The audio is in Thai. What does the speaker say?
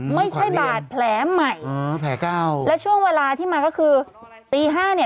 ไม่ใช่บาดแผลใหม่และช่วงเวลาที่มาก็คือตี๕